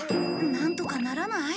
なんとかならない？